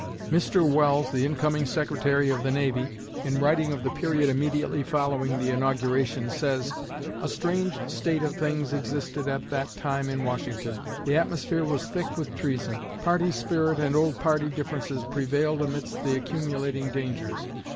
Mr. Welles, the incoming Secretary of the Navy, in writing of the period immediately following the inauguration, says: "A strange state of things existed at that time in Washington. The atmosphere was thick with treason. Party spirit and old party differences prevailed amidst the accumulating dangers.